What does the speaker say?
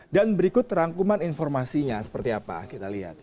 dan berikut rangkuman informasinya seperti apa kita lihat